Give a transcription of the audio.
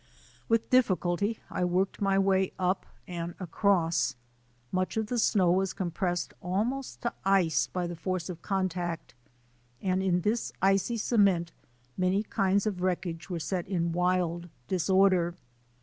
With difficulty I worked my way up and across. Much of the snow was compressed almost to ice by the force of contact, and in this icy cement many kinds of w reckage were set in wild disorder.